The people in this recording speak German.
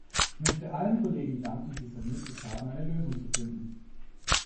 Ich möchte allen Kollegen danken, die es ermöglicht haben, eine Lösung zu finden.